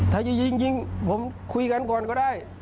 ถ้าจะยิงยิงผมคุยกันก่อนก็ได้